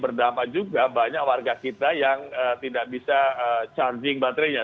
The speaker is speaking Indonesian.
berdampak juga banyak warga kita yang tidak bisa charging baterainya